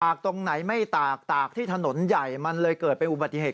กตรงไหนไม่ตากตากที่ถนนใหญ่มันเลยเกิดเป็นอุบัติเหตุ